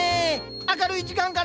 明るい時間から。